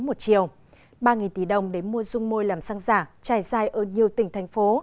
một chiều ba tỷ đồng để mua dung môi làm xăng giả trải dài ở nhiều tỉnh thành phố